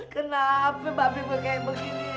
kenapa mba bebik kayak begini